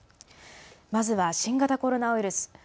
まずは新型コロナウイルス。